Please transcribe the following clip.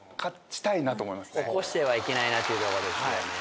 落としてはいけないなっていうとこですよね。